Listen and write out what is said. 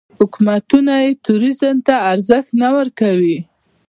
حکومتونه یې ټوریزم ته ارزښت نه ورکوي.